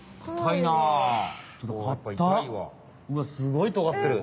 うわすごいとがってる！